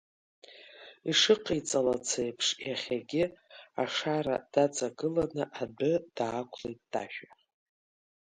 Ишыҟаиҵалац еиԥш иахьагьы ашара даҵагыланы адәы даақәлеит Ташәа.